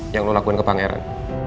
yang lo lakuin ke pak heran